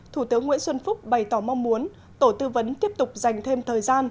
thủ tướng nguyễn xuân phúc bày tỏ mong muốn tổ tư vấn tiếp tục dành thêm thời gian